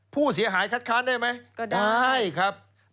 ผู้เสียหายคัดค้านได้ไหมก็ได้ครับ